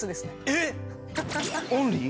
えっ⁉オンリー？